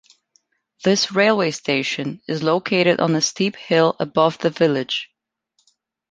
This railway station is located on a steep hill above the village.